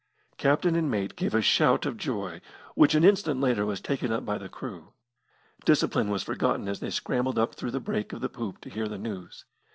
Captain and mate gave a shout of joy, which an instant later was taken up by the crew. Discipline was forgotten as they scrambled up through the break of the poop to hear the news.